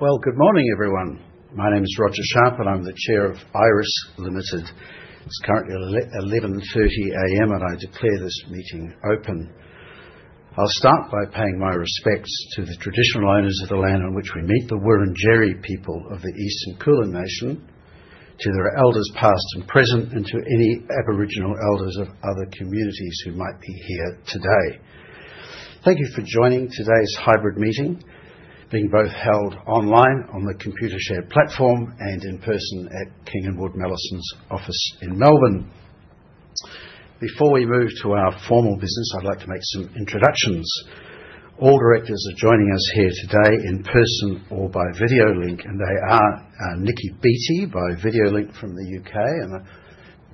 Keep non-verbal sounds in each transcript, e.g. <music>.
Good morning, everyone. My name is Roger Sharp, and I'm the Chair of Iress Ltd. It's currently 11:30 A.M., and I declare this meeting open. I'll start by paying my respects to the traditional owners of the land on which we meet, the Wurundjeri people of the Eastern Kulin Nation, to their elders past and present, and to any Aboriginal elders of other communities who might be here today. Thank you for joining today's hybrid meeting, being both held online on the Computershare platform and in person at King & Wood Mallesons' office in Melbourne. Before we move to our formal business, I'd like to make some introductions. All directors are joining us here today in person or by video link, and they are Niki Beattie by video link from the U.K.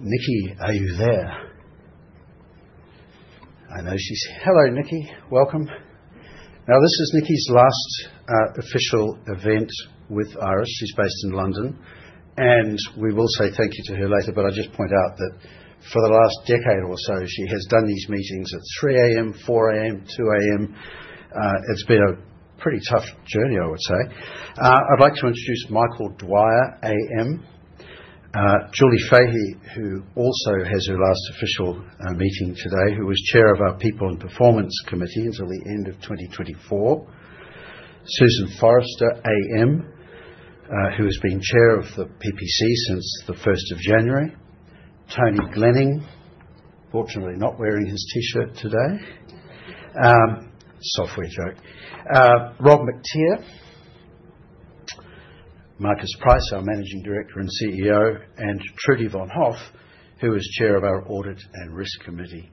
Niki, are you there? I know she's—hello, Niki. Welcome. Now, this is Niki's last official event with Iress. She's based in London, and we will say thank you to her later, but I'll just point out that for the last decade or so, she has done these meetings at 3:00 A.M., 4:00 A.M., 2:00 A.M. It's been a pretty tough journey, I would say. I'd like to introduce Michael Dwyer AM, Julie Fahey, who also has her last official meeting today, who was Chair of our People and Performance Committee until the end of 2024, Susan Forrester, AM, who has been Chair of the PPC since the 1st of January, Tony Glenning—fortunately, not wearing his T-shirt today. Soft word, Joe. Rob Mactier, Marcus Price, our Managing Director and CEO, and Trudy Vonhoff, who is Chair of our Audit and Risk Committee.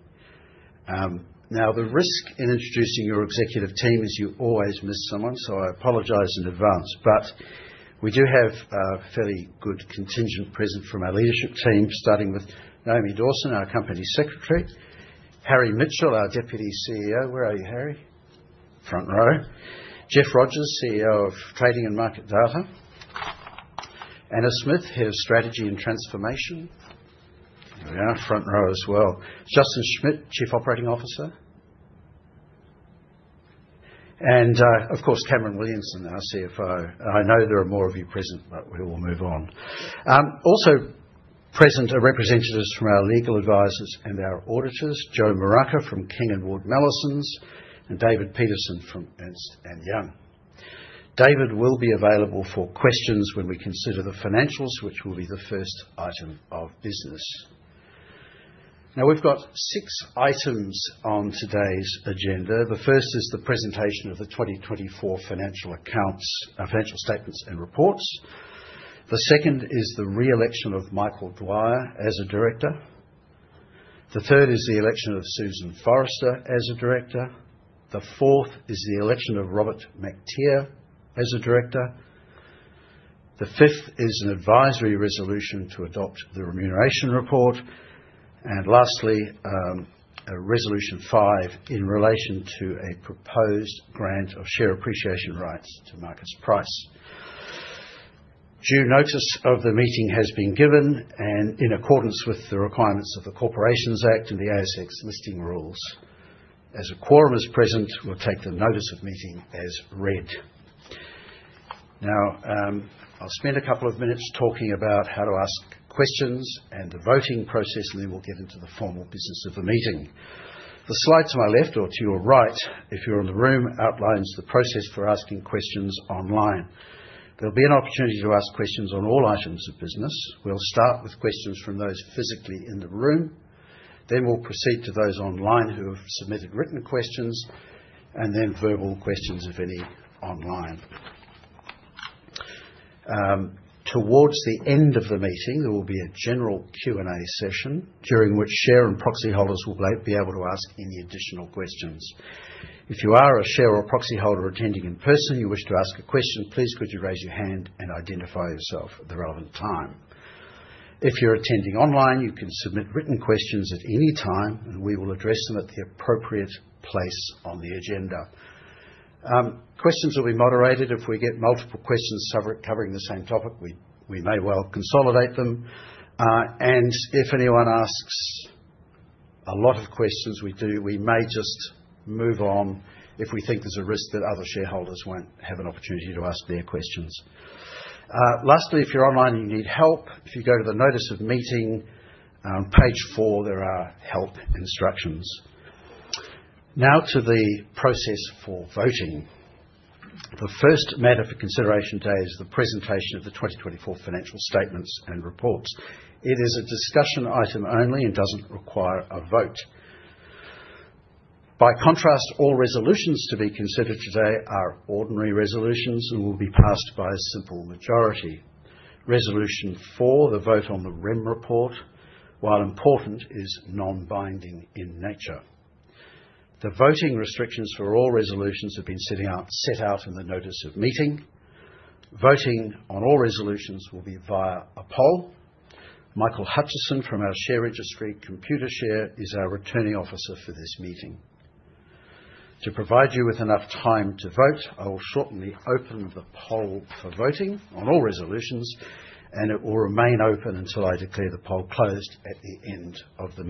Now, the risk in introducing your executive team is you always miss someone, so I apologize in advance. We do have a fairly good contingent present from our leadership team, starting with Naomi Dawson, our Company Secretary, Harry Mitchell, our Deputy CEO. Where are you, Harry? Front row. Geoff Rogers, CEO of Trading and Market Data. Ana Smith, Head of Strategy and Transformation. There we are, front row as well. Justin Schmidt, Chief Operating Officer. Of course, Cameron Williamson, our CFO. I know there are more of you present, but we will move on. Also present are representatives from our legal advisors and our auditors, Joe Muraca from King & Wood Mallesons and David Petersen from Ernst & Young. David will be available for questions when we consider the financials, which will be the first item of business. Now, we have six items on today's agenda. The first is the presentation of the 2024 financial statements and reports. The second is the re-election of Michael Dwyer as a director. The third is the election of Susan Forrester as a director. The fourth is the election of Robert Mactier as a director. The fifth is an advisory resolution to adopt the remuneration report. Lastly, resolution five in relation to a proposed grant of share appreciation rights to Marcus Price. Due notice of the meeting has been given, and in accordance with the requirements of the Corporations Act and the ASX Listing Rules. As a quorum is present, we'll take the notice of meeting as read. Now, I'll spend a couple of minutes talking about how to ask questions and the voting process, and then we'll get into the formal business of the meeting. The slide to my left or to your right, if you're in the room, outlines the process for asking questions online. There'll be an opportunity to ask questions on all items of business. We'll start with questions from those physically in the room. We'll proceed to those online who have submitted written questions, and then verbal questions, if any, online. Towards the end of the meeting, there will be a general Q&A session during which share and proxy holders will be able to ask any additional questions. If you are a share or proxy holder attending in person, you wish to ask a question, please could you raise your hand and identify yourself at the relevant time. If you're attending online, you can submit written questions at any time, and we will address them at the appropriate place on the agenda. Questions will be moderated. If we get multiple questions covering the same topic, we may well consolidate them. If anyone asks a lot of questions, we may just move on if we think there is a risk that other shareholders will not have an opportunity to ask their questions. Lastly, if you are online and you need help, if you go to the notice of meeting on page four, there are help instructions. Now to the process for voting. The first matter for consideration today is the presentation of the 2024 financial statements and reports. It is a discussion item only and does not require a vote. By contrast, all resolutions to be considered today are ordinary resolutions and will be passed by a simple majority. Resolution four, the vote on the REM report, while important, is non-binding in nature. The voting restrictions for all resolutions have been set out in the notice of meeting. Voting on all resolutions will be via a poll. Michael Hutchison from our share registry, Computershare, is our returning officer for this meeting. To provide you with enough time to vote, I will shortly open the poll for voting on all resolutions, and it will remain open until I declare the poll closed at the end of the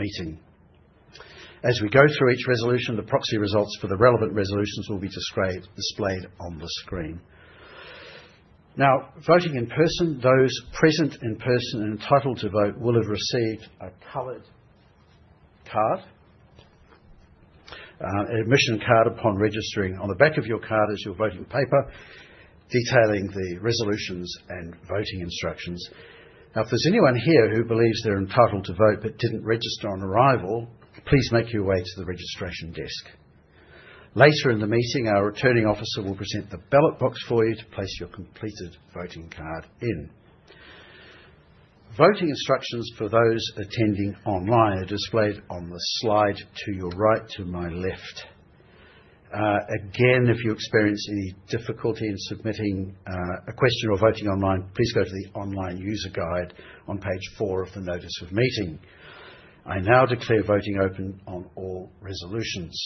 meeting. As we go through each resolution, the proxy results for the relevant resolutions will be displayed on the screen. Now, voting in person, those present in person and entitled to vote will have received a colored card, an admission card upon registering. On the back of your card is your voting paper detailing the resolutions and voting instructions. Now, if there is anyone here who believes they are entitled to vote but did not register on arrival, please make your way to the registration desk. Later in the meeting, our returning officer will present the ballot box for you to place your completed voting card in. Voting instructions for those attending online are displayed on the slide to your right, to my left. Again, if you experience any difficulty in submitting a question or voting online, please go to the online user guide on page four of the notice of meeting. I now declare voting open on all resolutions.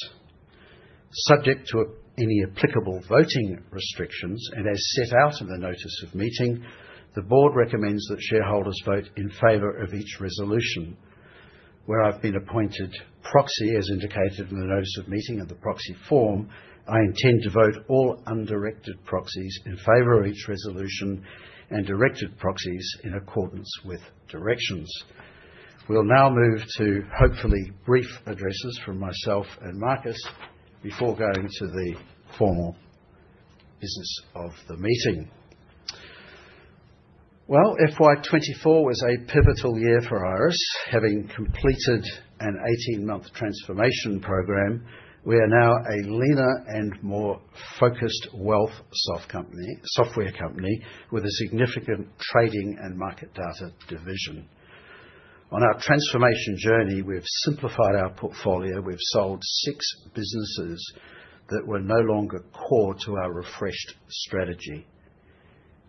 Subject to any applicable voting restrictions, and as set out in the notice of meeting, the board recommends that shareholders vote in favor of each resolution. Where I've been appointed proxy, as indicated in the notice of meeting and the proxy form, I intend to vote all undirected proxies in favor of each resolution and directed proxies in accordance with directions. will now move to hopefully brief addresses from myself and Marcus before going to the formal business of the meeting. FY24 was a pivotal year for Iress. Having completed an 18-month transformation program, we are now a leaner and more focused wealth software company with a significant trading and market data division. On our transformation journey, we have simplified our portfolio. We have sold six businesses that were no longer core to our refreshed strategy.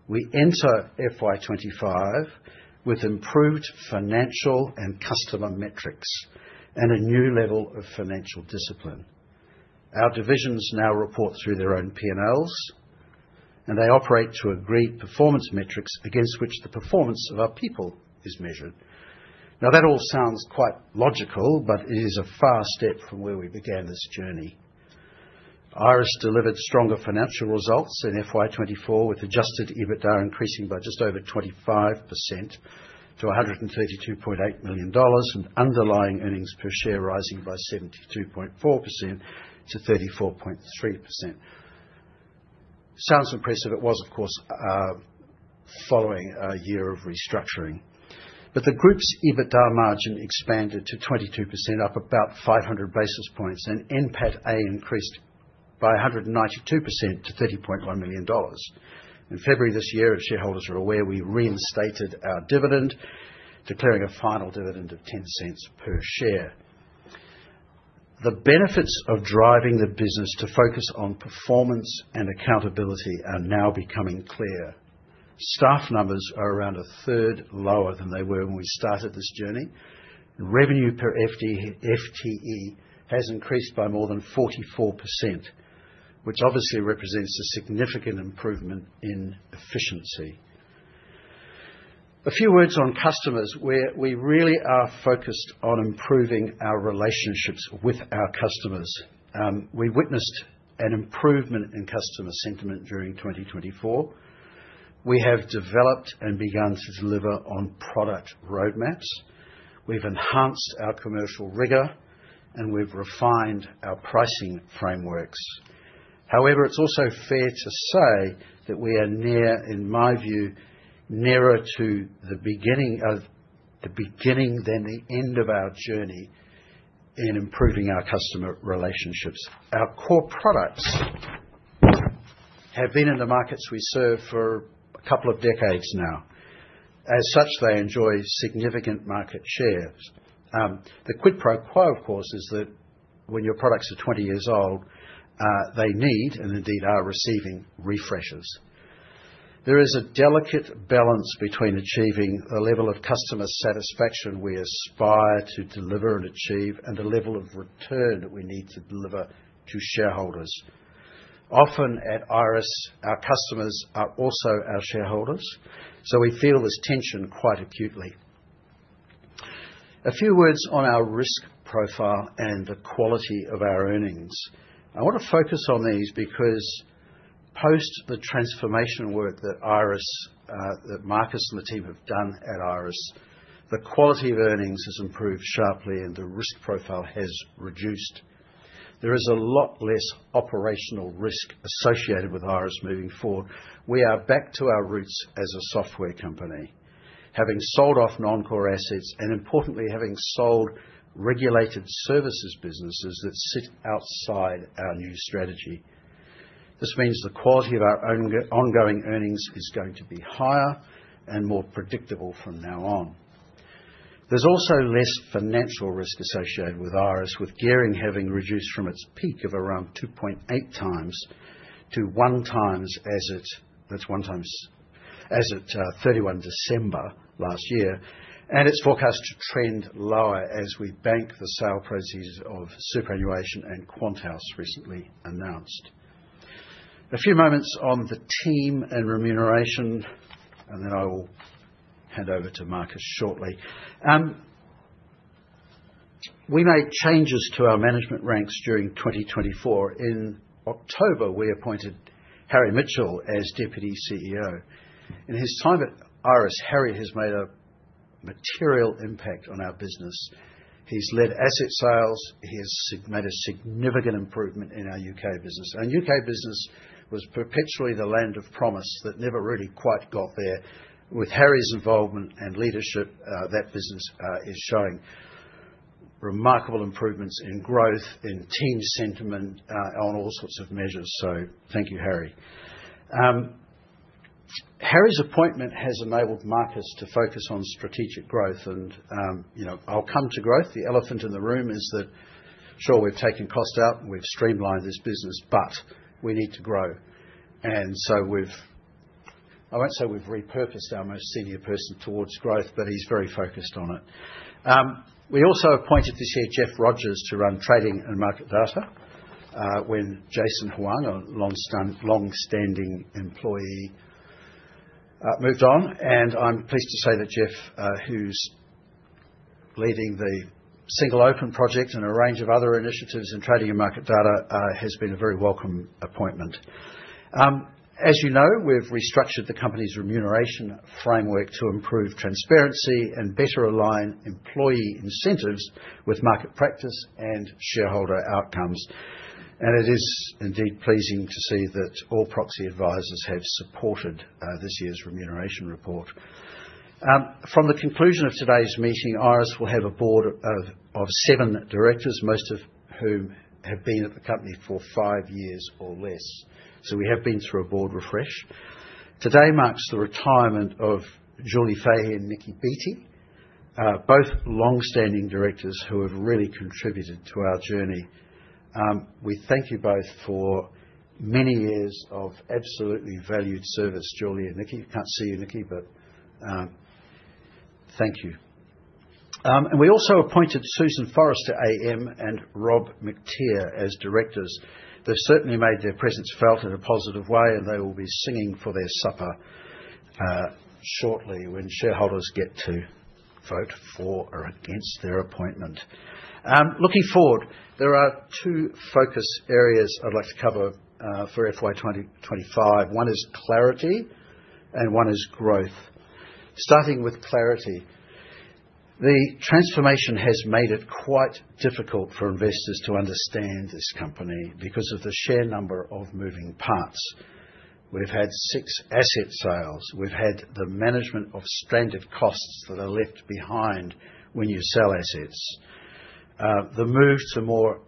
We enter FY25 with improved financial and customer metrics and a new level of financial discipline. Our divisions now report through their own P&Ls, and they operate to agreed performance metrics against which the performance of our people is measured. That all sounds quite logical, but it is a far step from where we began this journey. Iress delivered stronger financial results in FY24, with adjusted EBITDA increasing by just over 25% to $132.8 million and underlying earnings per share rising by 72.4% to 34.3%. Sounds impressive. It was, of course, following a year of restructuring. The group's EBITDA margin expanded to 22%, up about 500 basis points, and NPATA increased by 192% to $30.1 million. In February this year, as shareholders are aware, we reinstated our dividend, declaring a final dividend of 10 cents per share. The benefits of driving the business to focus on performance and accountability are now becoming clear. Staff numbers are around a third lower than they were when we started this journey. Revenue per FTE has increased by more than 44%, which obviously represents a significant improvement in efficiency. A few words on customers. We really are focused on improving our relationships with our customers. We witnessed an improvement in customer sentiment during 2024. We have developed and begun to deliver on product roadmaps. We've enhanced our commercial rigor, and we've refined our pricing frameworks. However, it's also fair to say that we are near, in my view, nearer to the beginning than the end of our journey in improving our customer relationships. Our core products have been in the markets we serve for a couple of decades now. As such, they enjoy significant market share. The quid pro quo, of course, is that when your products are 20 years old, they need, and indeed are receiving, refreshers. There is a delicate balance between achieving the level of customer satisfaction we aspire to deliver and achieve and the level of return that we need to deliver to shareholders. Often, at Iress, our customers are also our shareholders, so we feel this tension quite acutely. A few words on our risk profile and the quality of our earnings. I want to focus on these because post the transformation work that Marcus and the team have done at Iress, the quality of earnings has improved sharply and the risk profile has reduced. There is a lot less operational risk associated with Iress moving forward. We are back to our roots as a software company, having sold off non-core assets and, importantly, having sold regulated services businesses that sit outside our new strategy. This means the quality of our ongoing earnings is going to be higher and more predictable from now on. There's also less financial risk associated with Iress, with gearing having reduced from its peak of around 2.8 times to 1 times as at 31 December last year, and it's forecast to trend lower as we bank the sale proceeds of Superannuation and Quant House recently announced. A few moments on the team and remuneration, and then I will hand over to Marcus shortly. We made changes to our management ranks during 2024. In October, we appointed Harry Mitchell as Deputy CEO. In his time at Iress, Harry has made a material impact on our business. He's led asset sales. He has made a significant improvement in our U.K. business. Our U.K. business was perpetually the land of promise that never really quite got there. With Harry's involvement and leadership, that business is showing remarkable improvements in growth, in team sentiment, on all sorts of measures. Thank you, Harry. Harry's appointment has enabled Marcus to focus on strategic growth. I'll come to growth. The elephant in the room is that, sure, we've taken cost out and we've streamlined this business, but we need to grow. We've—I won't say we've repurposed our most senior person towards growth, but he's very focused on it. We also appointed this year Geoff Rogers to run Trading and Market Data when Jason Hoang, a long-standing employee, moved on. I'm pleased to say that Geoff, who's leading the single open project and a range of other initiatives in Trading and Market Data, has been a very welcome appointment. As you know, we've restructured the company's remuneration framework to improve transparency and better align employee incentives with market practice and shareholder outcomes. It is indeed pleasing to see that all proxy advisors have supported this year's remuneration report. From the conclusion of today's meeting, Iress will have a board of seven directors, most of whom have been at the company for five years or less. We have been through a board refresh. Today marks the retirement of Julie Fahey and Niki Beattie, both long-standing directors who have really contributed to our journey. We thank you both for many years of absolutely valued service, Julie and Niki. I can't see you, Niki, but thank you. We also appointed Susan Forrester, AM, and Rob Mactier as directors. They have certainly made their presence felt in a positive way, and they will be singing for their supper shortly when shareholders get to vote for or against their appointment. Looking forward, there are two focus areas I'd like to cover for FY25. One is clarity, and one is growth. Starting with clarity. The transformation has made it quite difficult for investors to understand this company because of the sheer number of moving parts. We've had six asset sales. We've had the management of stranded costs that are left behind when you sell assets. The move to more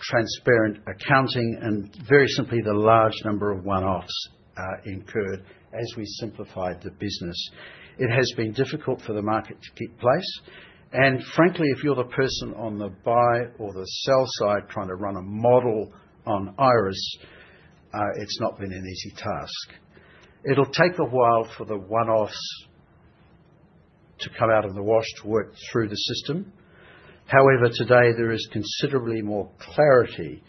transparent accounting and, very simply, the large number of one-offs incurred as we simplified the business. It has been difficult for the market to keep pace. Frankly, if you're the person on the buy or the sell side trying to run a model on Iress, it's not been an easy task. It'll take a while for the one-offs to come out of the wash to work through the system. However, today, there is considerably more clarity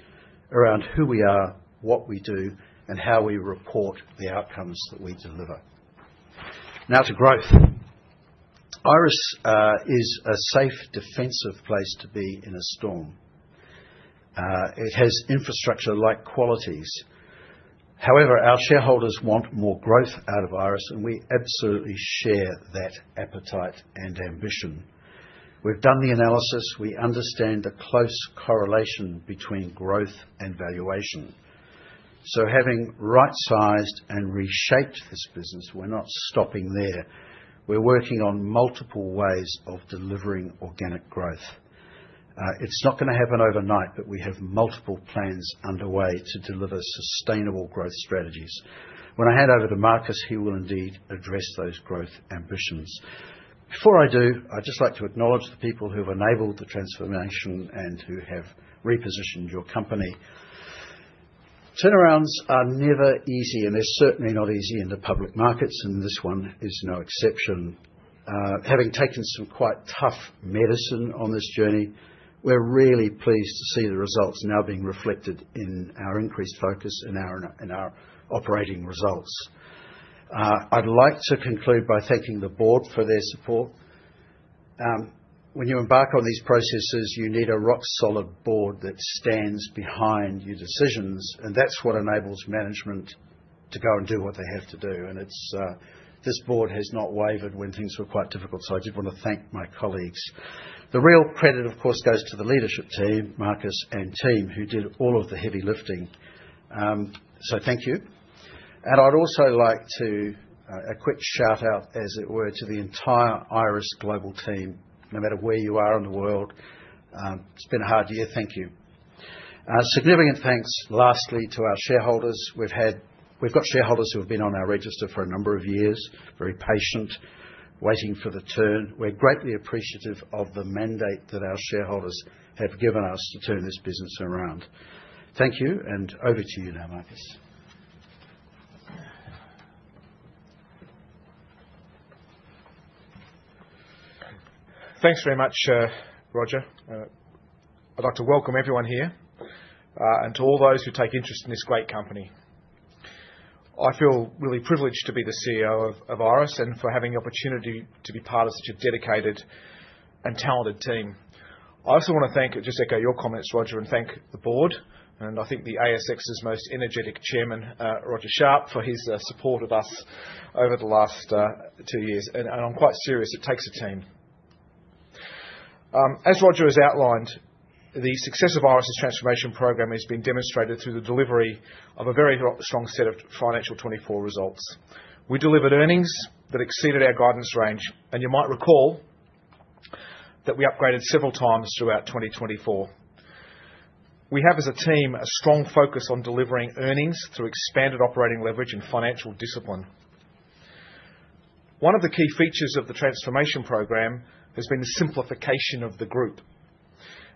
around who we are, what we do, and how we report the outcomes that we deliver. Now to growth. Iress is a safe, defensive place to be in a storm. It has infrastructure-like qualities. However, our shareholders want more growth out of Iress, and we absolutely share that appetite and ambition. We've done the analysis. We understand the close correlation between growth and valuation. Having right-sized and reshaped this business, we're not stopping there. We're working on multiple ways of delivering organic growth. It's not going to happen overnight, but we have multiple plans underway to deliver sustainable growth strategies. When I hand over to Marcus, he will indeed address those growth ambitions. Before I do, I'd just like to acknowledge the people who have enabled the transformation and who have repositioned your company. Turnarounds are never easy, and they're certainly not easy in the public markets, and this one is no exception. Having taken some quite tough medicine on this journey, we're really pleased to see the results now being reflected in our increased focus and our operating results. I'd like to conclude by thanking the board for their support. When you embark on these processes, you need a rock-solid board that stands behind your decisions, and that's what enables management to go and do what they have to do. This board has not wavered when things were quite difficult, so I did want to thank my colleagues. The real credit, of course, goes to the leadership team, Marcus and team, who did all of the heavy lifting. Thank you. I'd also like to give a quick shout-out, as it were, to the entire Iress global team, no matter where you are in the world. It's been a hard year. Thank you. Significant thanks, lastly, to our shareholders. We've got shareholders who have been on our register for a number of years, very patient, waiting for the turn. We're greatly appreciative of the mandate that our shareholders have given us to turn this business around. Thank you, and over to you now, Marcus. Thanks very much, Roger. I'd like to welcome everyone here and to all those who take interest in this great company. I feel really privileged to be the CEO of Iress and for having the opportunity to be part of such a dedicated and talented team. I also want to thank, just echo your comments, Roger, and thank the board and, I think, the ASX's most energetic chairman, Roger Sharp, for his support of us over the last two years. I am quite serious. It takes a team. As Roger has outlined, the success of Iress's transformation program has been demonstrated through the delivery of a very strong set of financial 2024 results. We delivered earnings that exceeded our guidance range, and you might recall that we upgraded several times throughout 2024. We have, as a team, a strong focus on delivering earnings through expanded operating leverage and financial discipline. One of the key features of the transformation program has been the simplification of the group.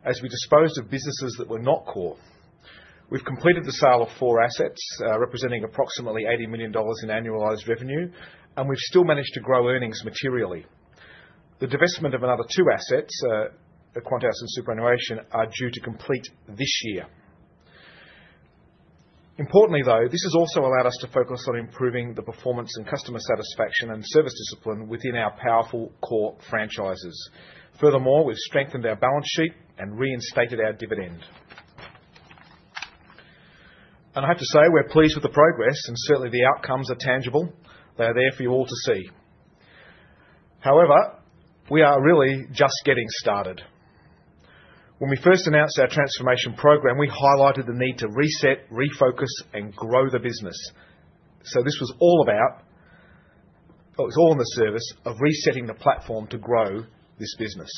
As we disposed of businesses that were not core, we've completed the sale of four assets representing approximately $80 million in annualized revenue, and we've still managed to grow earnings materially. The divestment of another two assets, QuantHouse and Superannuation, are due to complete this year. Importantly, though, this has also allowed us to focus on improving the performance and customer satisfaction and service discipline within our powerful core franchises. Furthermore, we have strengthened our balance sheet and reinstated our dividend. I have to say we are pleased with the progress, and certainly the outcomes are tangible. They are there for you all to see. However, we are really just getting started. When we first announced our transformation program, we highlighted the need to reset, refocus, and grow the business. This was all about—it was all in the service of resetting the platform to grow this business.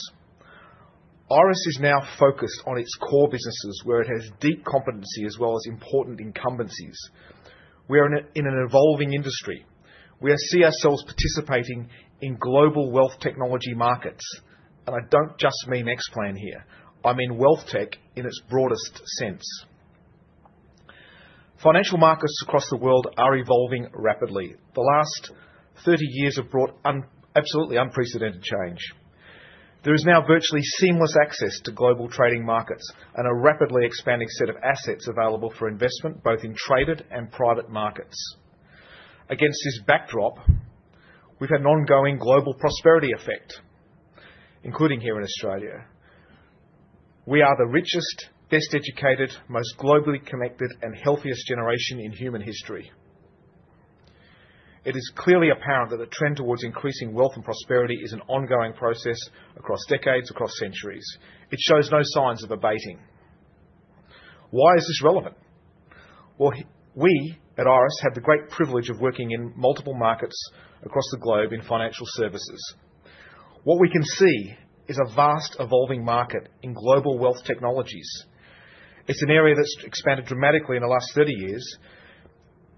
Iress is now focused on its core businesses, where it has deep competency as well as important incumbencies. We are in an evolving industry. We see ourselves participating in global wealth technology markets, and I do not just mean XPlan here. I mean wealth tech in its broadest sense. Financial markets across the world are evolving rapidly. The last 30 years have brought absolutely unprecedented change. There is now virtually seamless access to global trading markets and a rapidly expanding set of assets available for investment, both in traded and private markets. Against this backdrop, we've had an ongoing global prosperity effect, including here in Australia. We are the richest, best educated, most globally connected, and healthiest generation in human history. It is clearly apparent that the trend towards increasing wealth and prosperity is an ongoing process across decades, across centuries. It shows no signs of abating. Why is this relevant? We at Iress have the great privilege of working in multiple markets across the globe in financial services. What we can see is a vast evolving market in global wealth technologies. It's an area that's expanded dramatically in the last 30 years.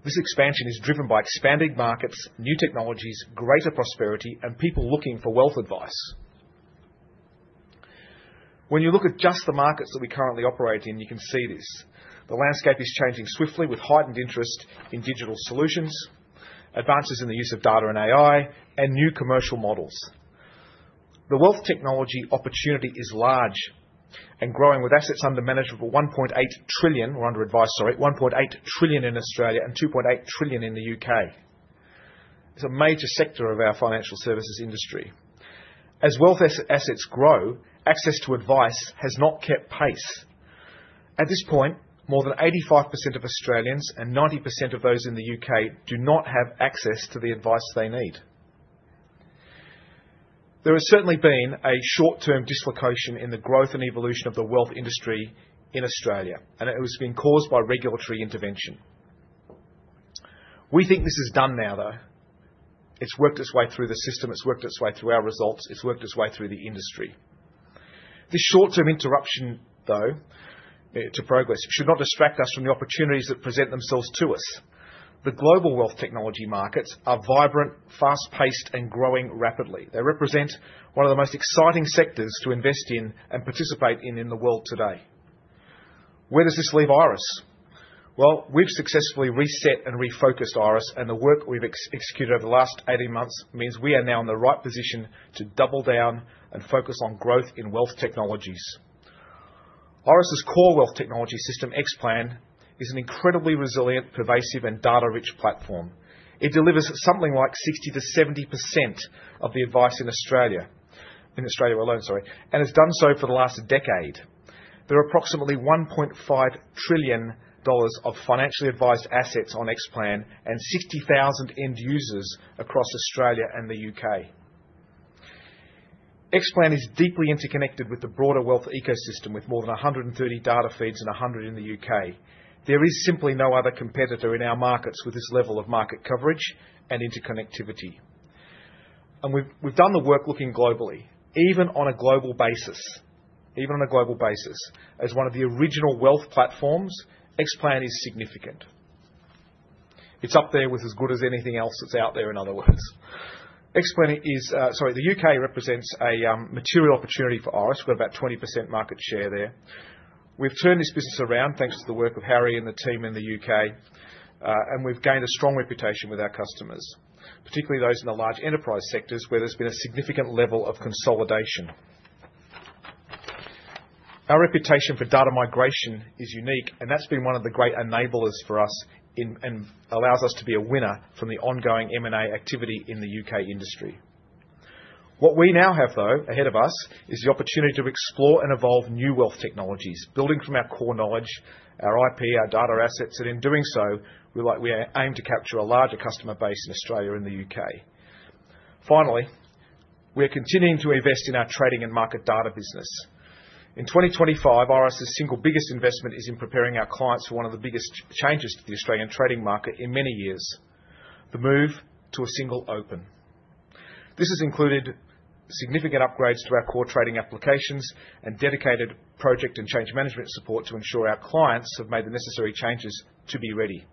This expansion is driven by expanded markets, new technologies, greater prosperity, and people looking for wealth advice. When you look at just the markets that we currently operate in, you can see this. The landscape is changing swiftly with heightened interest in digital solutions, advances in the use of data and AI, and new commercial models. The wealth technology opportunity is large and growing with assets under management of $1.8 trillion—we're under advice, sorry—$1.8 trillion in Australia and $2.8 trillion in the U.K. It's a major sector of our financial services industry. As wealth assets grow, access to advice has not kept pace. At this point, more than 85% of Australians and 90% of those in the U.K. do not have access to the advice they need. There has certainly been a short-term dislocation in the growth and evolution of the wealth industry in Australia, and it has been caused by regulatory intervention. We think this is done now, though. It's worked its way through the system. It's worked its way through our results. It's worked its way through the industry. This short-term interruption, though, to progress should not distract us from the opportunities that present themselves to us. The global wealth technology markets are vibrant, fast-paced, and growing rapidly. They represent one of the most exciting sectors to invest in and participate in in the world today. Where does this leave Iress? We've successfully reset and refocused Iress, and the work we've executed over the last 18 months means we are now in the right position to double down and focus on growth in wealth technologies. Iress's core wealth technology system, XPlan, is an incredibly resilient, pervasive, and data-rich platform. It delivers something like 60-70% of the advice in Australia—in Australia alone, sorry—and has done so for the last decade. There are approximately $1.5 trillion of financially advised assets on XPlan and 60,000 end users across Australia and the U.K. XPlan is deeply interconnected with the broader wealth ecosystem with more than 130 data feeds and 100 in the U.K. There is simply no other competitor in our markets with this level of market coverage and interconnectivity. We have done the work looking globally, even on a global basis. As one of the original wealth platforms, XPlan is significant. It is up there with as good as anything else that is out there, in other words. XPlan is—sorry—the U.K. represents a material opportunity for Iress. We have got about 20% market share there. We've turned this business around thanks to the work of Harry and the team in the U.K., and we've gained a strong reputation with our customers, particularly those in the large enterprise sectors where there's been a significant level of consolidation. Our reputation for data migration is unique, and that's been one of the great enablers for us and allows us to be a winner from the ongoing M&A activity in the U.K. industry. What we now have, though, ahead of us is the opportunity to explore and evolve new wealth technologies, building from our core knowledge, our IP, our data assets, and in doing so, we aim to capture a larger customer base in Australia and the U.K. Finally, we're continuing to invest in our Trading and Market Data business. In 2025, Iress's single biggest investment is in preparing our clients for one of the biggest changes to the Australian trading market in many years: the move to a single open. This has included significant upgrades to our core trading applications and dedicated project and change management support to ensure our clients have made the necessary changes to be ready.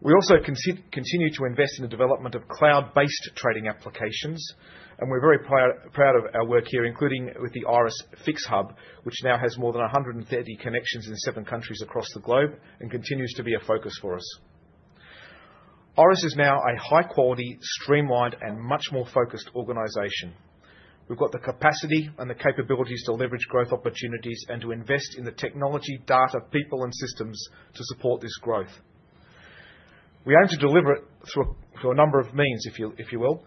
We also continue to invest in the development of cloud-based trading applications, and we're very proud of our work here, including with the Iress Fix Hub, which now has more than 130 connections in seven countries across the globe and continues to be a focus for us. Iress is now a high-quality, streamlined, and much more focused organization. We've got the capacity and the capabilities to leverage growth opportunities and to invest in the technology, data, people, and systems to support this growth. We aim to deliver it through a number of means, if you will.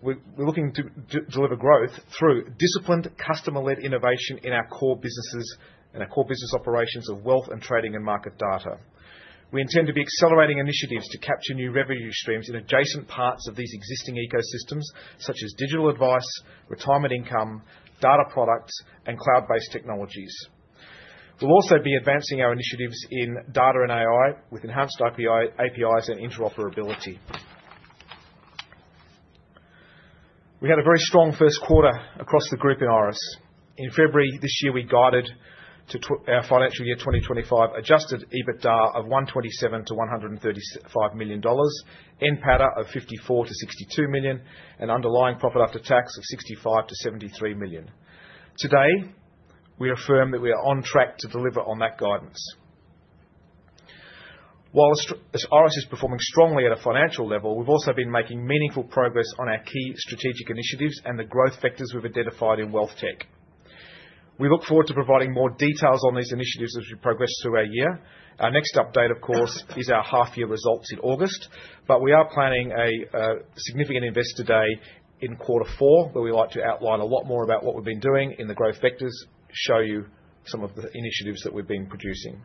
We're looking to deliver growth through disciplined, customer-led innovation in our core businesses and our core business operations of wealth and trading and market data. We intend to be accelerating initiatives to capture new revenue streams in adjacent parts of these existing ecosystems, such as digital advice, retirement income, data products, and cloud-based technologies. We'll also be advancing our initiatives in data and AI with enhanced APIs and interoperability. We had a very strong first quarter across the group in Iress. In February this year, we guided to our financial year 2025 adjusted EBITDA of $127 million-$135 million, NPATA of $54 million-$62 million, and underlying profit after tax of $65 million-$73 million. Today, we affirm that we are on track to deliver on that guidance. While Iress is performing strongly at a financial level, we've also been making meaningful progress on our key strategic initiatives and the growth vectors we've identified in wealth tech. We look forward to providing more details on these initiatives as we progress through our year. Our next update, of course, is our half-year results in August, but we are planning a significant investor day in quarter four where we like to outline a lot more about what we've been doing in the growth vectors, show you some of the initiatives that we've been producing.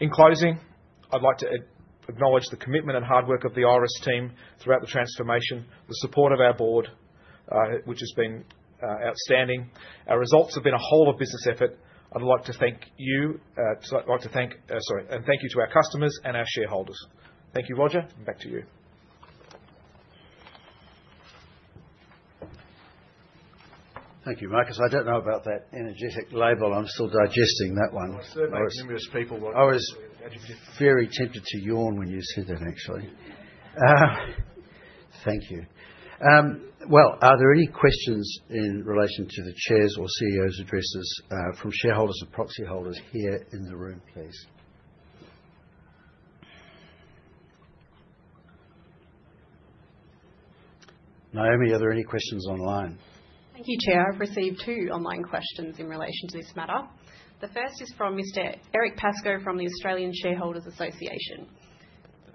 In closing, I'd like to acknowledge the commitment and hard work of the Iress team throughout the transformation, the support of our board, which has been outstanding. Our results have been a whole-of-business effort, and I'd like to thank you, sorry, and thank you to our customers and our shareholders. Thank you, Roger. Back to you. Thank you, Marcus. I do not know about that energetic label. I am still digesting that one. I was certainly numerous people. <crosstalk> I was very tempted to yawn when you said that, actually. Thank you. Are there any questions in relation to the chair's or CEO's addresses from shareholders and proxy holders here in the room, please? Naomi, are there any questions online? Thank you, Chair. I have received two online questions in relation to this matter. The first is from Mr. Eric Pascoe from the Australian Shareholders Association.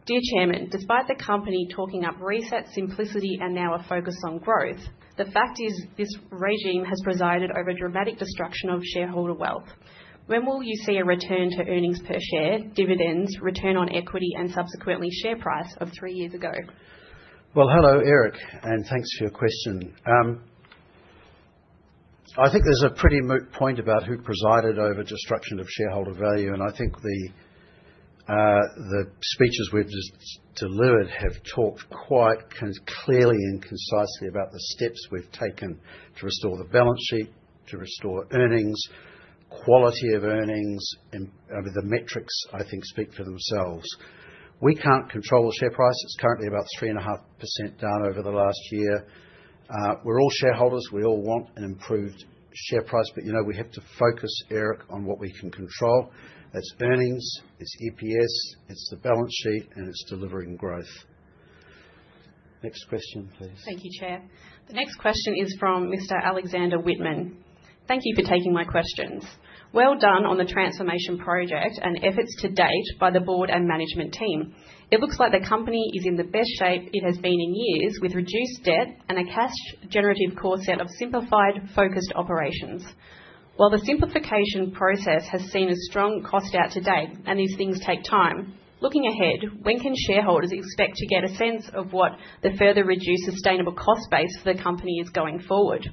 Dear Chairman, despite the company talking up reset, simplicity, and now a focus on growth, the fact is this regime has presided over dramatic destruction of shareholder wealth. When will you see a return to earnings per share, dividends, return on equity, and subsequently share price of three years ago? Hello, Eric, and thanks for your question. I think there's a pretty moot point about who presided over destruction of shareholder value, and I think the speeches we've delivered have talked quite clearly and concisely about the steps we've taken to restore the balance sheet, to restore earnings, quality of earnings. I mean, the metrics, I think, speak for themselves. We can't control the share price. It's currently about 3.5% down over the last year. We're all shareholders. We all want an improved share price, but we have to focus, Eric, on what we can control. It's earnings, it's EPS, it's the balance sheet, and it's delivering growth. Next question, please. Thank you, Chair. The next question is from Mr. Alexander Whitman. Thank you for taking my questions. Well done on the transformation project and efforts to date by the board and management team. It looks like the company is in the best shape it has been in years, with reduced debt and a cash-generative core set of simplified, focused operations. While the simplification process has seen a strong cost out to date, and these things take time, looking ahead, when can shareholders expect to get a sense of what the further reduced sustainable cost base for the company is going forward?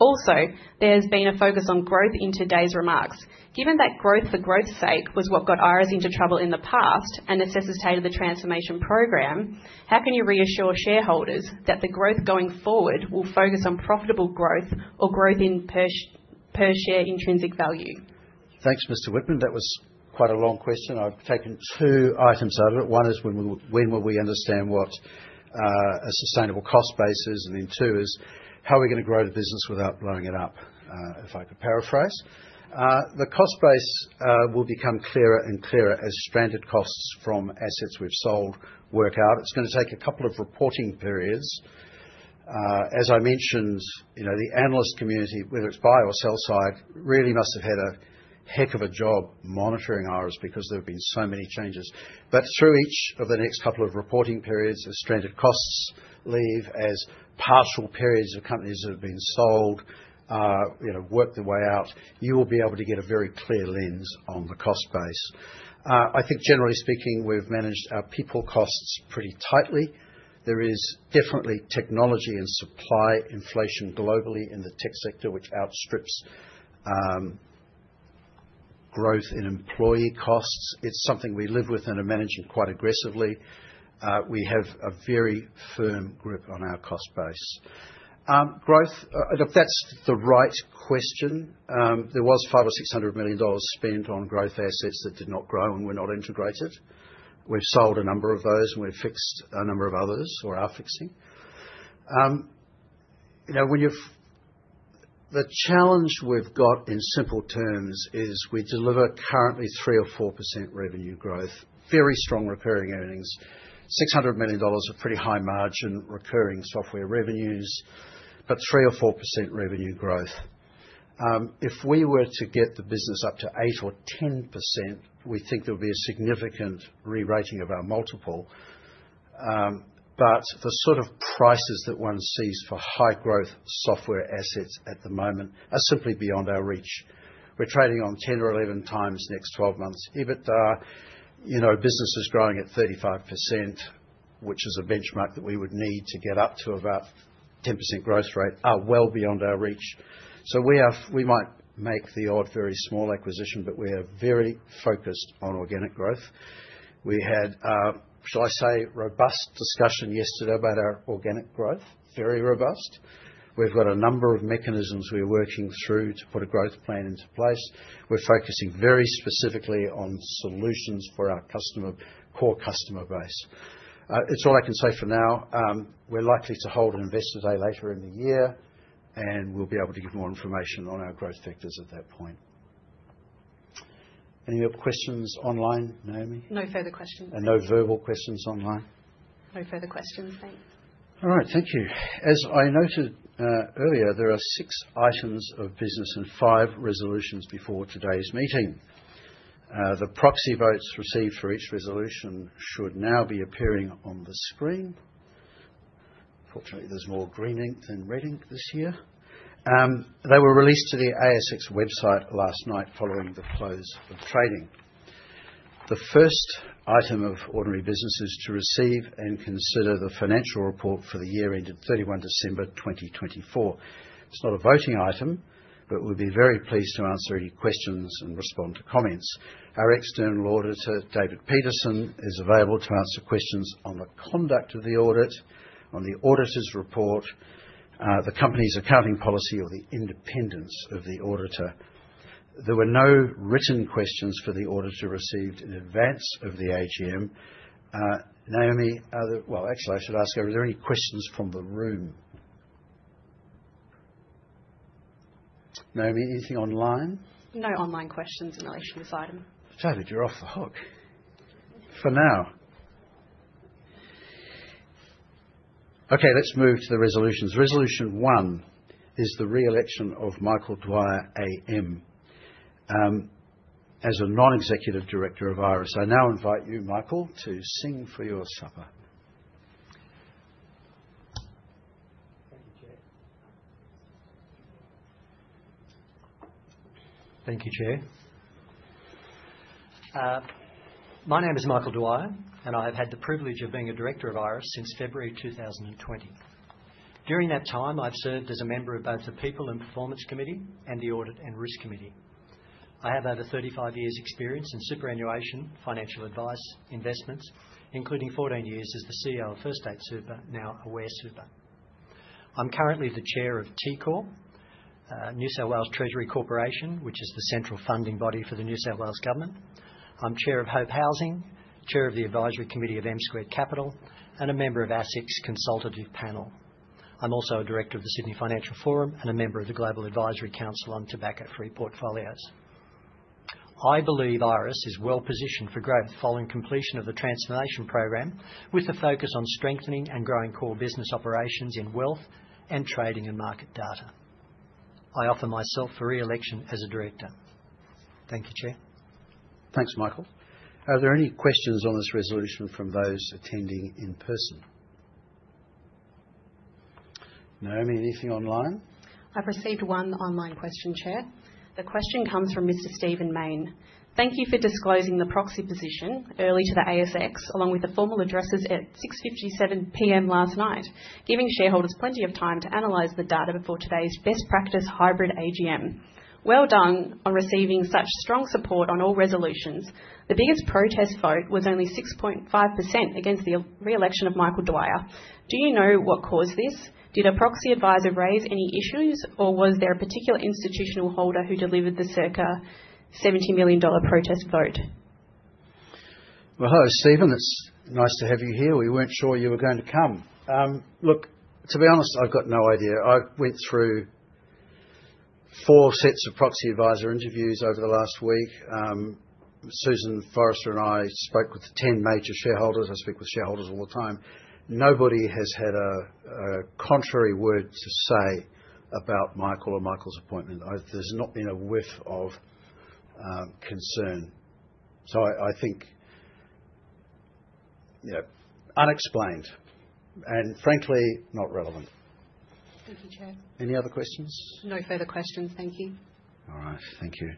Also, there has been a focus on growth in today's remarks. Given that growth for growth's sake was what got Iress into trouble in the past and necessitated the transformation program, how can you reassure shareholders that the growth going forward will focus on profitable growth or growth in per share intrinsic value? Thanks, Mr. Whitman. That was quite a long question. I've taken two items out of it. One is, when will we understand what a sustainable cost base is? Two is, how are we going to grow the business without blowing it up, if I could paraphrase? The cost base will become clearer and clearer as stranded costs from assets we have sold work out. It is going to take a couple of reporting periods. As I mentioned, the analyst community, whether it is buy or sell side, really must have had a heck of a job monitoring Iress because there have been so many changes. Through each of the next couple of reporting periods, as stranded costs leave, as partial periods of companies that have been sold work their way out, you will be able to get a very clear lens on the cost base. I think, generally speaking, we have managed our people costs pretty tightly. There is definitely technology and supply inflation globally in the tech sector, which outstrips growth in employee costs. It's something we live with and are managing quite aggressively. We have a very firm grip on our cost base. Growth, that's the right question. There was $500 million or $600 million spent on growth assets that did not grow and were not integrated. We've sold a number of those, and we've fixed a number of others or are fixing. The challenge we've got in simple terms is we deliver currently 3% or 4% revenue growth, very strong recurring earnings, $600 million of pretty high margin recurring software revenues, but 3% or 4% revenue growth. If we were to get the business up to 8% or 10%, we think there would be a significant re-rating of our multiple. The sort of prices that one sees for high-growth software assets at the moment are simply beyond our reach. We're trading on 10 or 11 times next 12 months. EBITDA, business is growing at 35%, which is a benchmark that we would need to get up to about 10% growth rate, are well beyond our reach. We might make the odd very small acquisition, but we are very focused on organic growth. We had, shall I say, robust discussion yesterday about our organic growth, very robust. We have a number of mechanisms we are working through to put a growth plan into place. We are focusing very specifically on solutions for our core customer base. It is all I can say for now. We are likely to hold an investor day later in the year, and we will be able to give more information on our growth factors at that point. Any other questions online, Naomi? No further questions. And no verbal questions online? No further questions. Thanks. All right. Thank you. As I noted earlier, there are six items of business and five resolutions before today's meeting. The proxy votes received for each resolution should now be appearing on the screen. Fortunately, there's more green ink than red ink this year. They were released to the ASX website last night following the close of trading. The first item of ordinary business is to receive and consider the financial report for the year ended 31 December 2024. It's not a voting item, but we'd be very pleased to answer any questions and respond to comments. Our external auditor, David Petersen, is available to answer questions on the conduct of the audit, on the auditor's report, the company's accounting policy, or the independence of the auditor. There were no written questions for the auditor received in advance of the AGM. Naomi, actually, I should ask, are there any questions from the room? Naomi, anything online? No online questions in relation to this item. <audio distortion> you're off the hook for now. Okay, let's move to the resolutions. Resolution one is the re-election of Michael Dwyer AM. As a Non-Executive Director of Iress, I now invite you, Michael, to sing for your supper. Thank you, Chair. My name is Michael Dwyer, and I have had the privilege of being a director of Iress since February 2020. During that time, I've served as a member of both the People and Performance Committee and the Audit and Risk Committee. I have over 35 years' experience in superannuation, financial advice, investments, including 14 years as the CEO of First State Super, now Aware Super. I'm currently the Chair of TCorp, New South Wales Treasury Corporation, which is the central funding body for the New South Wales Government. I'm Chair of Hope Housing, Chair of the Advisory Committee of M Squared Capital, and a member of ASIC's consultative panel. I'm also a director of the Sydney Financial Forum and a member of the Global Advisory Council on Tobacco-free portfolios. I believe Iress is well positioned for growth following completion of the transformation program with the focus on strengthening and growing core business operations in wealth and trading and market data. I offer myself for re-election as a director. Thank you, Chair. Thanks, Michael. Are there any questions on this resolution from those attending in person? Naomi, anything online? I've received one online question, Chair. The question comes from Mr. Stephen Mayne. Thank you for disclosing the proxy position early to the ASX, along with the formal addresses at 6:57 P.M. last night, giving shareholders plenty of time to analyse the data before today's best practice hybrid AGM. Well done on receiving such strong support on all resolutions. The biggest protest vote was only 6.5% against the re-election of Michael Dwyer. Do you know what caused this? Did a proxy advisor raise any issues, or was there a particular institutional holder who delivered the circa 70 million dollar protest vote? Hello, Stephen. It's nice to have you here. We were not sure you were going to come. Look, to be honest, I've got no idea. I went through four sets of proxy advisor interviews over the last week. Susan Forrester and I spoke with the 10 major shareholders. I speak with shareholders all the time. Nobody has had a contrary word to say about Michael or Michael's appointment. There's not been a whiff of concern. I think unexplained and, frankly, not relevant. Thank you, Chair. Any other questions? No further questions. Thank you. All right. Thank you.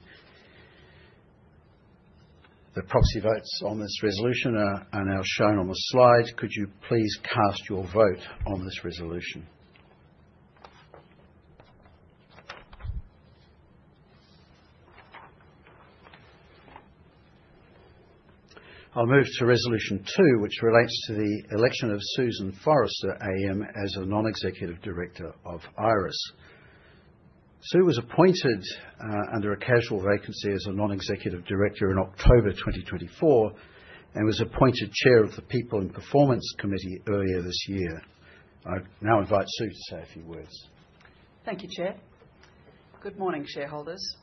The proxy votes on this resolution are now shown on the slide. Could you please cast your vote on this resolution? I'll move to Resolution Two, which relates to the election of Susan Forrester AM as a non-executive director of Iress. Sue was appointed under a casual vacancy as a non-executive director in October 2024 and was appointed Chair of the People and Performance Committee earlier this year. I now invite Sue to say a few words. Thank you, Chair. Good morning, shareholders.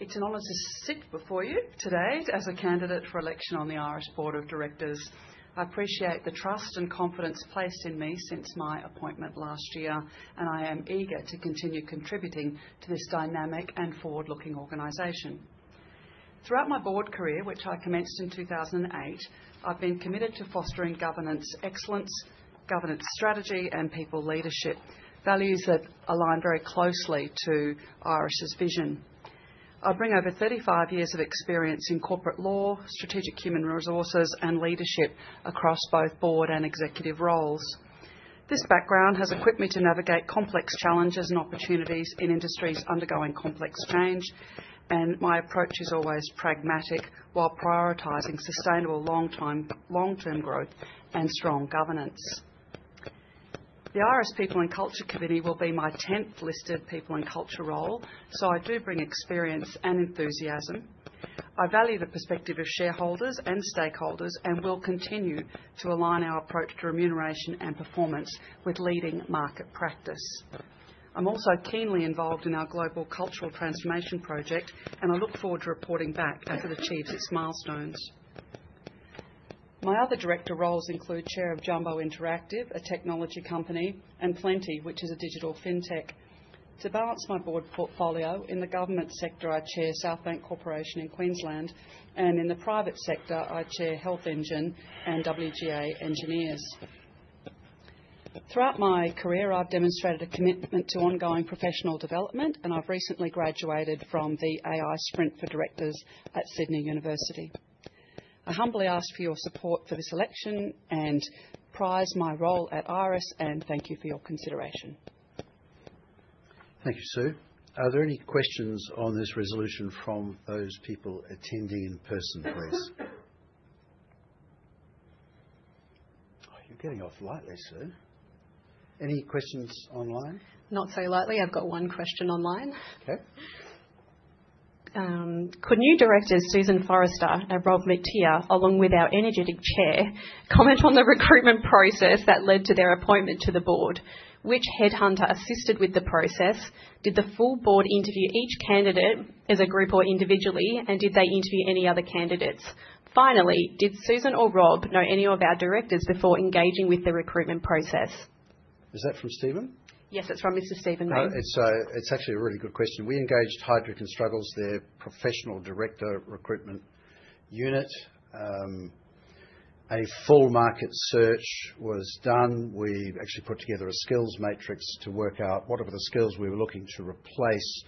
It's an honor to sit before you today as a candidate for election on the Iress Board of Directors. I appreciate the trust and confidence placed in me since my appointment last year, and I am eager to continue contributing to this dynamic and forward-looking organization. Throughout my board career, which I commenced in 2008, I've been committed to fostering governance excellence, governance strategy, and people leadership, values that align very closely to Iress's vision. I bring over 35 years of experience in corporate law, strategic human resources, and leadership across both board and executive roles. This background has equipped me to navigate complex challenges and opportunities in industries undergoing complex change, and my approach is always pragmatic while prioritizing sustainable long-term growth and strong governance. The Iress People and Culture Committee will be my 10th listed People and Culture role, so I do bring experience and enthusiasm. I value the perspective of shareholders and stakeholders and will continue to align our approach to remuneration and performance with leading market practice. I'm also keenly involved in our global cultural transformation project, and I look forward to reporting back as it achieves its milestones. My other director roles include Chair of Jumbo Interactive, a technology company, and Plenty, which is a digital fintech. To balance my board portfolio in the government sector, I chair Southbank Corporation in Queensland, and in the private sector, I chair Health Engine and WGA Engineers. Throughout my career, I've demonstrated a commitment to ongoing professional development, and I've recently graduated from the AI Sprint for Directors at Sydney University. I humbly ask for your support for this election and prize my role at Iress, and thank you for your consideration. Thank you, Sue. Are there any questions on this resolution from those people attending in person, please? You're getting off lightly, Sue. Any questions online? Not so lightly. I've got one question online. Okay. Could new directors Susan Forrester and Rob Mactier, along with our energetic Chair, comment on the recruitment process that led to their appointment to the board? Which headhunter assisted with the process? Did the full board interview each candidate as a group or individually, and did they interview any other candidates? Finally, did Susan or Rob know any of our directors before engaging with the recruitment process? Is that from Stephen? Yes, it's from Mr. Stephen Mayne. It's actually a really good question. We engaged Heidrick & Struggles, their professional director recruitment unit. A full market search was done. We actually put together a skills matrix to work out what are the skills we were looking to replace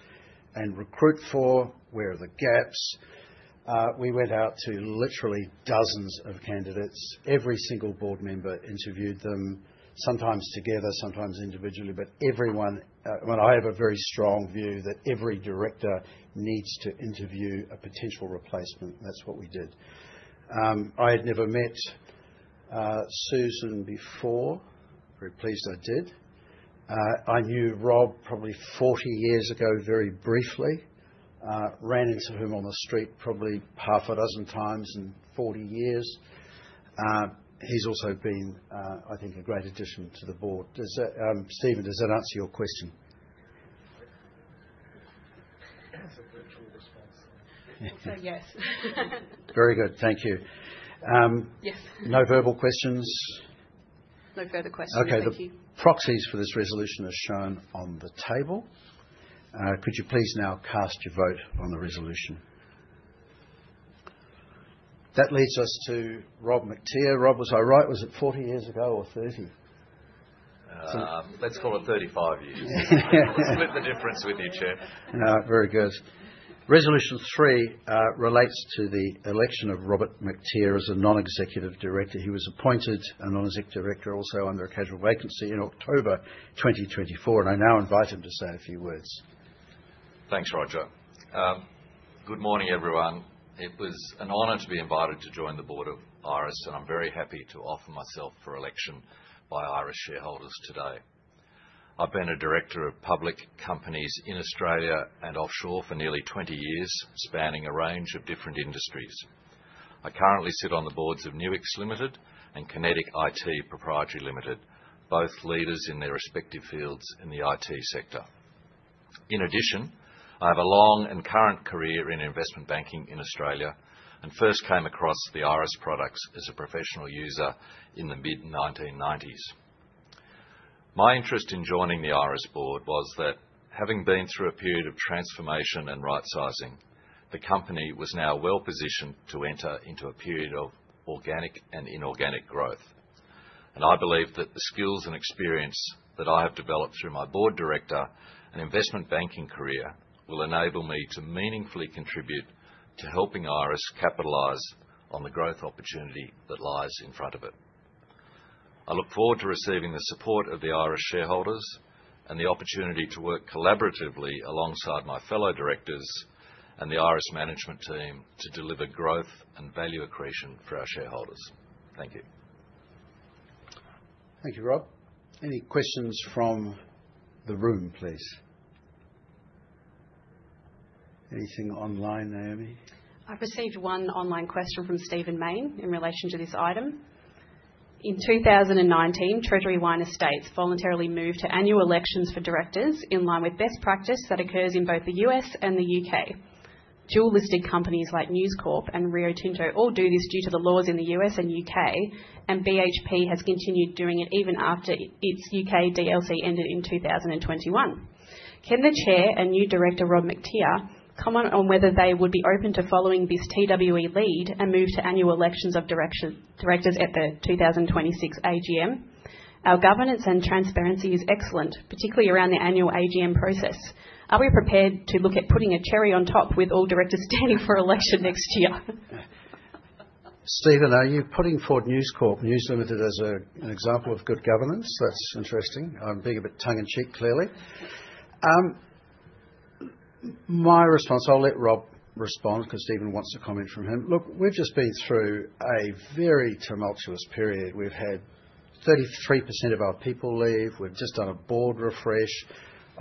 and recruit for, where are the gaps. We went out to literally dozens of candidates. Every single board member interviewed them, sometimes together, sometimes individually, but everyone—I have a very strong view that every director needs to interview a potential replacement, and that's what we did. I had never met Susan before. Very pleased I did. I knew Rob probably 40 years ago very briefly. Ran into him on the street probably half a dozen times in 40 years. He's also been, I think, a great addition to the board. Stephen, does that answer your question? Yes. Very good. Thank you. Yes. No verbal questions? No further questions. Thank you. Okay, the proxies for this resolution are shown on the table. Could you please now cast your vote on the resolution? That leads us to Rob Mactier. Rob, was I right? Was it 40 years ago or 30? Let's call it 35 years. Split the difference with you, Chair. Very good. Resolution Three relates to the election of Robert Mactier as a non-executive director. He was appointed a non-executive director also under a casual vacancy in October 2024, and I now invite him to say a few words. Thanks, Roger. Good morning, everyone. It was an honor to be invited to join the board of Iress, and I'm very happy to offer myself for election by Iress shareholders today. I've been a director of public companies in Australia and offshore for nearly 20 years, spanning a range of different industries. I currently sit on the boards of Nuix Limited and Kinetic IT Proprietary Ltd, both leaders in their respective fields in the IT sector. In addition, I have a long and current career in investment banking in Australia and first came across the Iress products as a professional user in the mid-1990s. My interest in joining the Iress board was that, having been through a period of transformation and rightsizing, the company was now well positioned to enter into a period of organic and inorganic growth. I believe that the skills and experience that I have developed through my board director and investment banking career will enable me to meaningfully contribute to helping Iress capitalise on the growth opportunity that lies in front of it. I look forward to receiving the support of the Iress shareholders and the opportunity to work collaboratively alongside my fellow directors and the Iress management team to deliver growth and value accretion for our shareholders. Thank you. Thank you, Rob. Any questions from the room, please? Anything online, Naomi? I've received one online question from Stephen Mayne in relation to this item. In 2019, Treasury Wine Estates voluntarily moved to annual elections for directors in line with best practice that occurs in both the U.S. and the U.K. Dual-listed companies like News Corp and Rio Tinto all do this due to the laws in the U.S. and U.K., and BHP has continued doing it even after its U.K. DLC ended in 2021. Can the Chair and new Director Rob Mactier comment on whether they would be open to following this TWE lead and move to annual elections of directors at the 2026 AGM? Our governance and transparency is excellent, particularly around the annual AGM process. Are we prepared to look at putting a cherry on top with all directors standing for election next year? Stephen, are you putting forward News Corp, News Limited as an example of good governance? That's interesting. I'm being a bit tongue-in-cheek, clearly. My response, I'll let Rob respond because Stephen wants a comment from him. Look, we've just been through a very tumultuous period. We've had 33% of our people leave. We've just done a board refresh.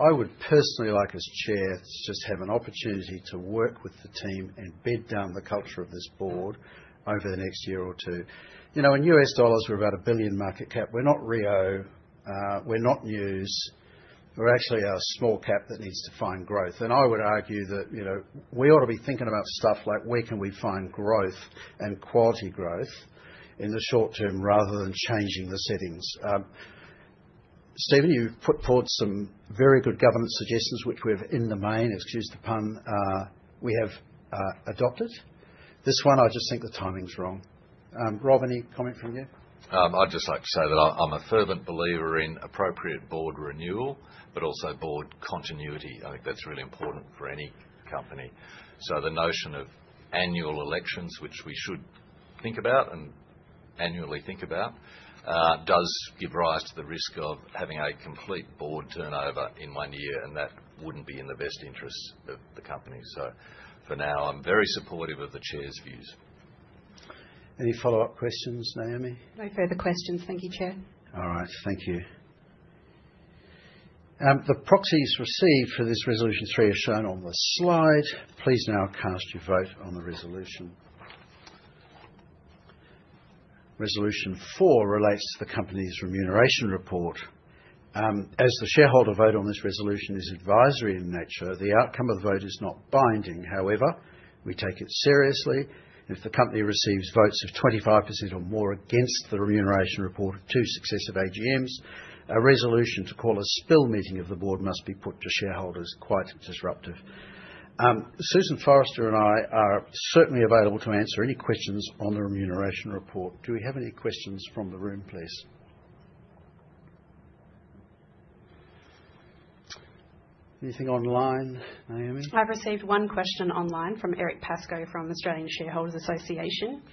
I would personally like, as Chair, to just have an opportunity to work with the team and bed down the culture of this board over the next year or two. In U.S. dollars, we're about a billion market cap. We're not Rio. We're not News. We're actually a small cap that needs to find growth. I would argue that we ought to be thinking about stuff like, where can we find growth and quality growth in the short term rather than changing the settings. Stephen, you put forward some very good governance suggestions, which we have in the main, excuse the pun, we have adopted. This one, I just think the timing's wrong. Rob, any comment from you? I'd just like to say that I'm a fervent believer in appropriate board renewal, but also board continuity. I think that's really important for any company. The notion of annual elections, which we should think about and annually think about, does give rise to the risk of having a complete board turnover in one year, and that wouldn't be in the best interests of the company. For now, I'm very supportive of the Chair's views. Any follow-up questions, Naomi? No further questions. Thank you, Chair. All right. Thank you. The proxies received for this Resolution Three are shown on the slide. Please now cast your vote on the resolution. Resolution Four relates to the company's remuneration report. As the shareholder vote on this resolution is advisory in nature, the outcome of the vote is not binding. However, we take it seriously. If the company receives votes of 25% or more against the remuneration report of two successive AGMs, a resolution to call a spill meeting of the board must be put to shareholders. Quite disruptive. Susan Forrester and I are certainly available to answer any questions on the remuneration report. Do we have any questions from the room, please? Anything online, Naomi? I've received one question online from Eric Pascoe from Australian Shareholders Association.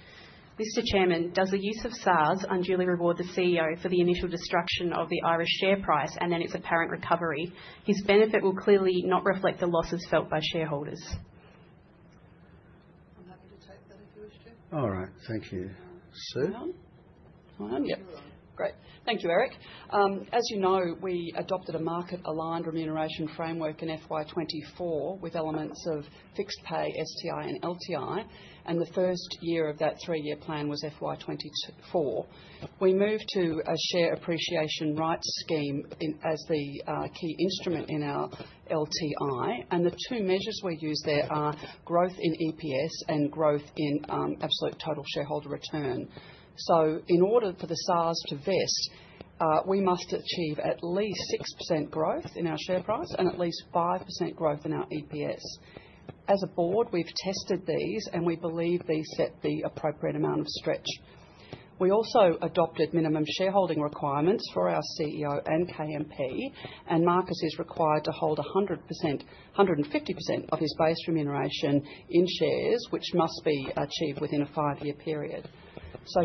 Mr. Chairman, does the use of SARS unduly reward the CEO for the initial destruction of the Iress share price and then its apparent recovery? His benefit will clearly not reflect the losses felt by shareholders. All right. Thank you. Sue? Yep. Great. Thank you, Eric. As you know, we adopted a market-aligned remuneration framework in FY24 with elements of fixed pay, STI, and LTI, and the first year of that three-year plan was FY24. We moved to a share appreciation rights scheme as the key instrument in our LTI, and the two measures we use there are growth in EPS and growth in absolute total shareholder return. In order for the SARS to vest, we must achieve at least 6% growth in our share price and at least 5% growth in our EPS. As a board, we've tested these, and we believe these set the appropriate amount of stretch. We also adopted minimum shareholding requirements for our CEO and KMP, and Marcus is required to hold 150% of his base remuneration in shares, which must be achieved within a five-year period.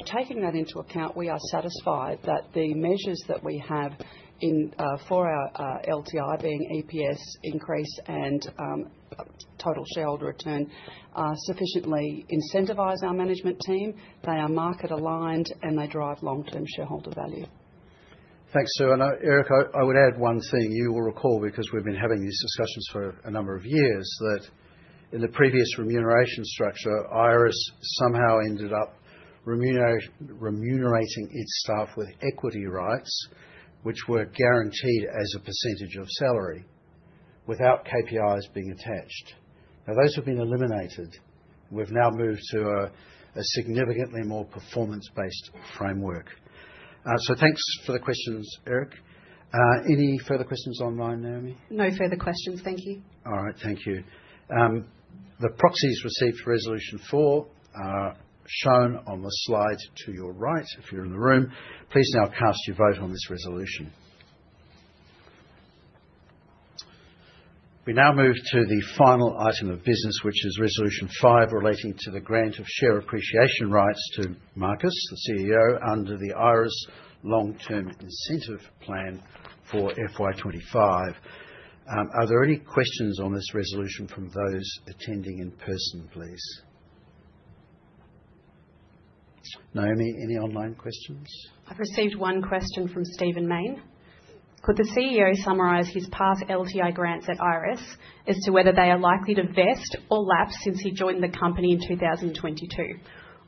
Taking that into account, we are satisfied that the measures that we have for our LTI, being EPS increase and total shareholder return, sufficiently incentivise our management team. They are market-aligned, and they drive long-term shareholder value. Thanks, Sue. Eric, I would add one thing you will recall because we've been having these discussions for a number of years, that in the previous remuneration structure, Iress somehow ended up remunerating its staff with equity rights, which were guaranteed as a percentage of salary without KPIs being attached. Now, those have been eliminated. We've now moved to a significantly more performance-based framework. Thanks for the questions, Eric. Any further questions online, Naomi? No further questions. Thank you. All right. Thank you. The proxies received for Resolution Four are shown on the slide to your right, if you're in the room. Please now cast your vote on this resolution. We now move to the final item of business, which is Resolution Five relating to the grant of share appreciation rights to Marcus, the CEO, under the Iress long-term incentive plan for FY25. Are there any questions on this resolution from those attending in person, please? Naomi, any online questions? I've received one question from Stephen Mayne. Could the CEO summarize his past LTI grants at Iress as to whether they are likely to vest or lapse since he joined the company in 2022?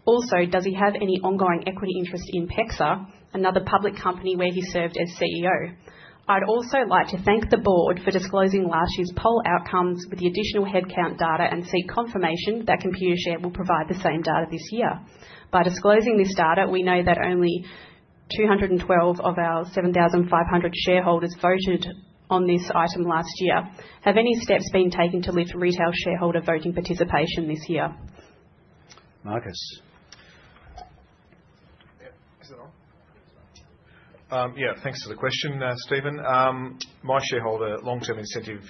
Also, does he have any ongoing equity interest in PEXA, another public company where he served as CEO? I'd also like to thank the board for disclosing last year's poll outcomes with the additional headcount data and seek confirmation that Computershare will provide the same data this year. By disclosing this data, we know that only 212 of our 7,500 shareholders voted on this item last year. Have any steps been taken to lift retail shareholder voting participation this year? Marcus. Yeah, thanks for the question, Stephen. My shareholder long-term incentive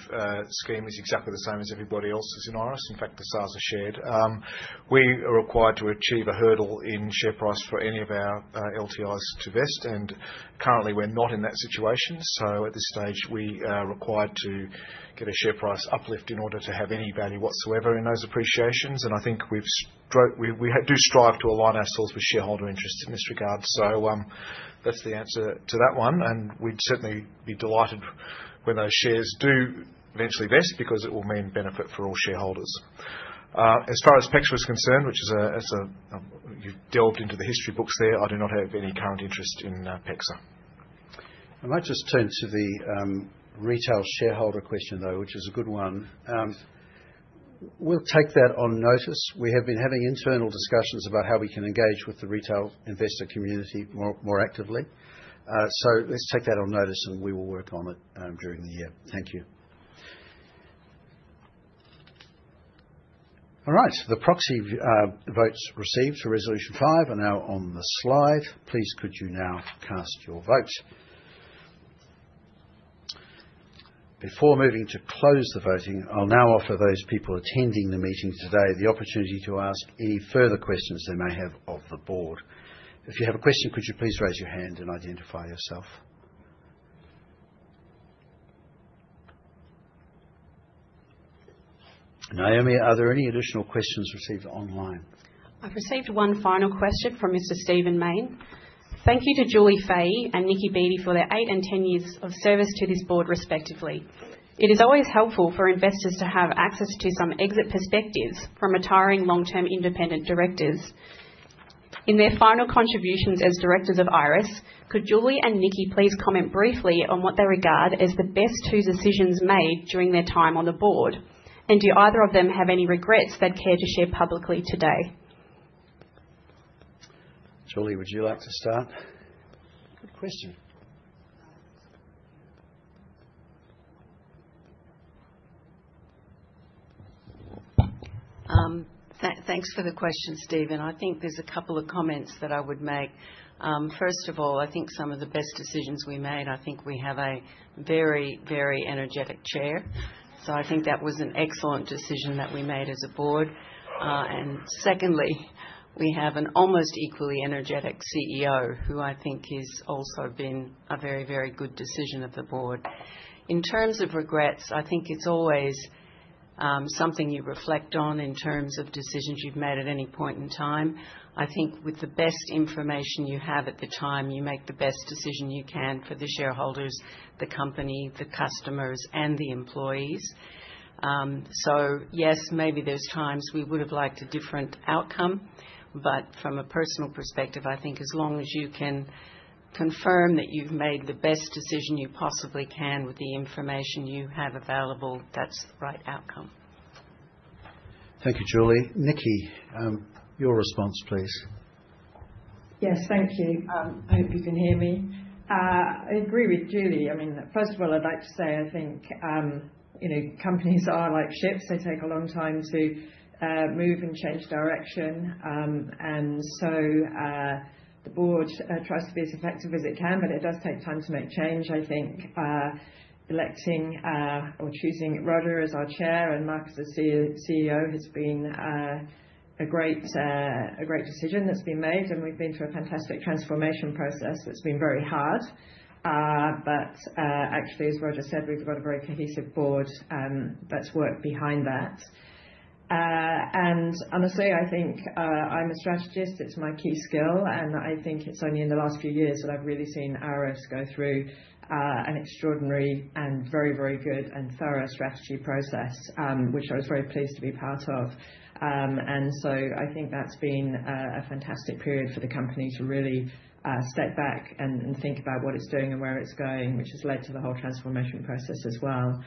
scheme is exactly the same as everybody else's in Iress. In fact, the SARS are shared. We are required to achieve a hurdle in share price for any of our LTIs to vest, and currently, we're not in that situation. At this stage, we are required to get a share price uplift in order to have any value whatsoever in those appreciations. I think we do strive to align ourselves with shareholder interests in this regard. That's the answer to that one. We'd certainly be delighted when those shares do eventually vest because it will mean benefit for all shareholders. As far as PEXA is concerned, which is a—you've delved into the history books there. I do not have any current interest in PEXA. I might just turn to the retail shareholder question, though, which is a good one. We'll take that on notice. We have been having internal discussions about how we can engage with the retail investor community more actively. Let's take that on notice, and we will work on it during the year. Thank you. All right. The proxy votes received for Resolution Five are now on the slide. Please, could you now cast your vote? Before moving to close the voting, I'll now offer those people attending the meeting today the opportunity to ask any further questions they may have of the board. If you have a question, could you please raise your hand and identify yourself? Naomi, are there any additional questions received online? I've received one final question from Mr. Stephen Mayne. Thank you to Julie Fahey and Niki Beattie for their eight and ten years of service to this board, respectively. It is always helpful for investors to have access to some exit perspectives from retiring long-term independent directors. In their final contributions as directors of Iress, could Julie and Niki please comment briefly on what they regard as the best two decisions made during their time on the board? Do either of them have any regrets they'd care to share publicly today? Julie, would you like to start? Good question. Thanks for the question, Stephen. I think there's a couple of comments that I would make. First of all, I think some of the best decisions we made, I think we have a very, very energetic Chair. I think that was an excellent decision that we made as a board. Secondly, we have an almost equally energetic CEO, who I think has also been a very, very good decision of the board. In terms of regrets, I think it's always something you reflect on in terms of decisions you've made at any point in time. I think with the best information you have at the time, you make the best decision you can for the shareholders, the company, the customers, and the employees. Yes, maybe there's times we would have liked a different outcome. From a personal perspective, I think as long as you can confirm that you've made the best decision you possibly can with the information you have available, that's the right outcome. Thank you, Julie. Niki, your response, please. Yes, thank you. I hope you can hear me. I agree with Julie. I mean, first of all, I'd like to say I think companies are like ships. They take a long time to move and change direction. The board tries to be as effective as it can, but it does take time to make change. I think electing or choosing Roger as our Chair and Marcus as CEO has been a great decision that's been made. We've been through a fantastic transformation process that's been very hard. Actually, as Roger said, we've got a very cohesive board that's worked behind that. Honestly, I think I'm a strategist. It's my key skill. I think it's only in the last few years that I've really seen Iress go through an extraordinary and very, very good and thorough strategy process, which I was very pleased to be part of. I think that's been a fantastic period for the company to really step back and think about what it's doing and where it's going, which has led to the whole transformation process as well.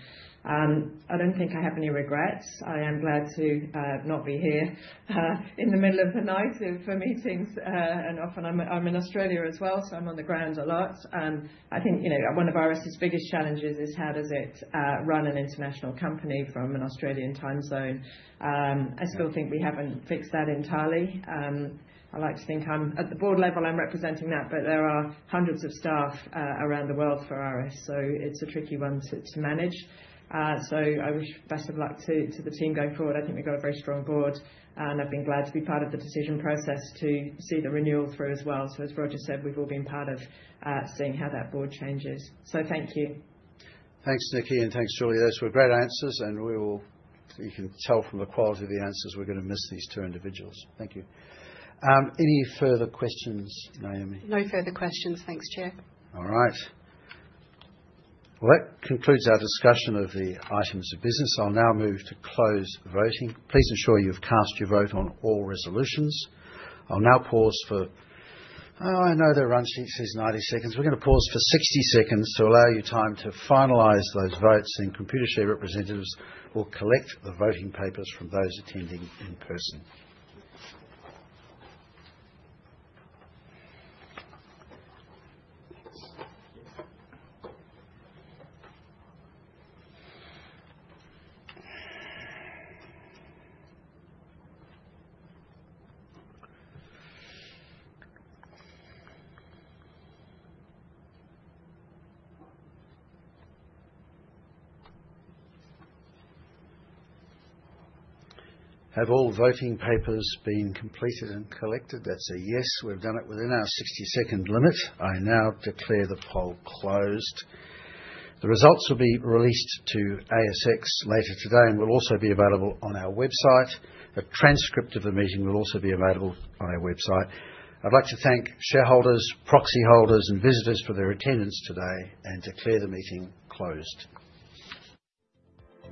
I don't think I have any regrets. I am glad to not be here in the middle of the night for meetings. Often I'm in Australia as well, so I'm on the ground a lot. I think one of Iress's biggest challenges is how does it run an international company from an Australian time zone? I still think we haven't fixed that entirely. I like to think at the board level, I'm representing that, but there are hundreds of staff around the world for Iress, so it's a tricky one to manage. I wish best of luck to the team going forward. I think we've got a very strong board, and I've been glad to be part of the decision process to see the renewal through as well. As Roger said, we've all been part of seeing how that board changes. Thank you. Thanks, Niki, and thanks, Julie. Those were great answers. You can tell from the quality of the answers we're going to miss these two individuals. Thank you. Any further questions, Naomi? No further questions. Thanks, Chair. All right. That concludes our discussion of the items of business. I'll now move to close the voting. Please ensure you've cast your vote on all resolutions. I'll now pause for—I know the run sheet says 90 seconds. We're going to pause for 60 seconds to allow you time to finalize those votes. Computershare representatives will collect the voting papers from those attending in person. Have all voting papers been completed and collected? That's a yes. We've done it within our 60-second limit. I now declare the poll closed. The results will be released to ASX later today and will also be available on our website. A transcript of the meeting will also be available on our website. I'd like to thank shareholders, proxy holders, and visitors for their attendance today and declare the meeting closed.